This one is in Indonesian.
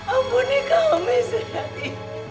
ampuni kami suri hati